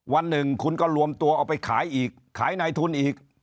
วันหนึ่งคุณก็รวมตัวเอาไปขายอีกขายในทุนอีก